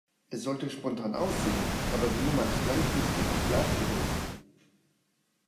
Es sollte spontan aussehen, aber die Nummer ist langfristig geplant gewesen.